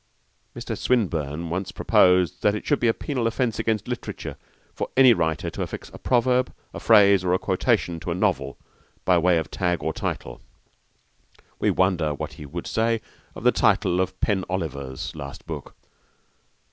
Mr. Swinburne once proposed that it should be a penal offence against literature for any writer to affix a proverb, a phrase or a quotation to a novel, by way of tag or title. We wonder what he would say to the title of 'Pen Oliver's' last book!